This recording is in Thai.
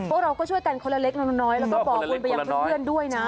พวกเราก็ช่วยกันคนละเล็กละน้อยแล้วก็บอกบุญไปยังเพื่อนด้วยนะ